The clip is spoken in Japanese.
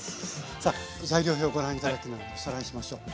さあ材料表をご覧頂きながらおさらいしましょう。